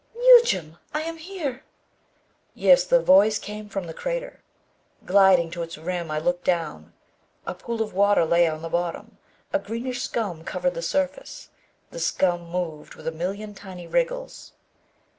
"Yljm! I am here!" Yes, the voice came from the crater. Gliding to its rim, I looked down. A pool of water lay on the bottom. A greenish scum covered the surface. The scum moved with a million tiny wriggles.